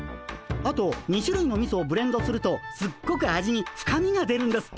あと２しゅるいのみそをブレンドするとすっごく味に深みが出るんですって。